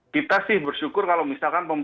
kita sih bersyukur kalau misalkan